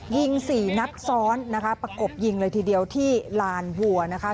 ยิงสี่นัดซ้อนนะคะประกบยิงเลยทีเดียวที่ลานวัวนะคะ